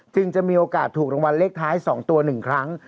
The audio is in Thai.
จึงจะมีโอกาสถูกรางวัลเลขท้าย๒ตัว๑ครั้ง